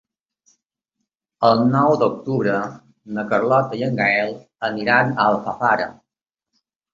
El nou d'octubre na Carlota i en Gaël aniran a Alfafara.